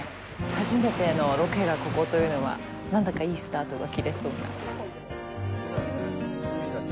初めてのロケがここというのは何だかいいスタートが切れそうな。